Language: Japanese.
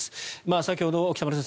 先ほど北村先生